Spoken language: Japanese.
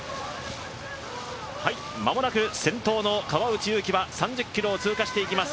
間もなく先頭の川内優輝は３０ｋｍを通過していきます。